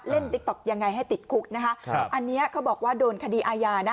เล่นติ๊กต๊อกอย่างไรให้ติดคุกนะคะอันนี้เขาบอกว่าโดนคดีอาญานะ